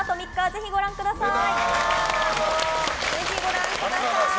ぜひご覧ください！